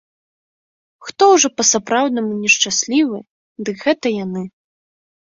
Хто ўжо па-сапраўднаму нешчаслівы, дык гэта яны.